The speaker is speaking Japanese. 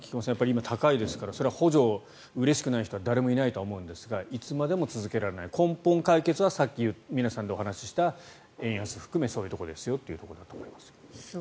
今、高いですから補助金がうれしくない人はいないでしょうけどいつまでも続けられない根本解決はさっき皆さんでお話しした円安を含めそういうところですよというところだと思います。